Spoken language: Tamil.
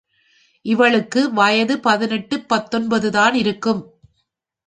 இவளுக்கு வயது பதினெட்டு, பத்தொன்பது தான் இருக்கும்.